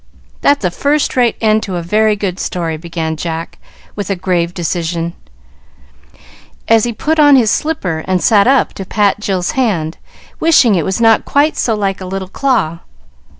"That's a first rate end to a very good story," began Jack, with grave decision, as he put on his slipper and sat up to pat Jill's hand, wishing it was not quite so like a little claw.